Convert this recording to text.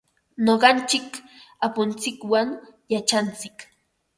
Nuqanchik apuntsikwan yachantsik.